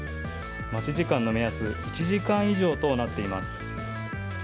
待ち時間の目安、１時間以上となっています。